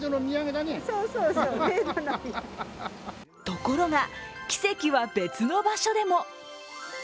ところが、奇跡は別の場所でも。